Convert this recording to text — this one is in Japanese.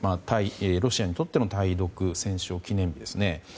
ロシアにとっての対独戦勝記念日ですね。